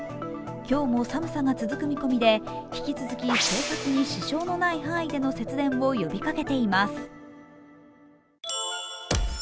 今日も寒さが続く見込みで引き続き生活に支障のない範囲での節電を呼びかけています。